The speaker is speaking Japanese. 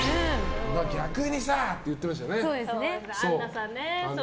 逆にさあ！って言ってましたよね。